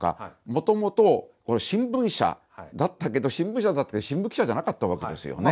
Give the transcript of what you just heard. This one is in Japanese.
もともと新聞社だったけど新聞記者じゃなかったわけですよね。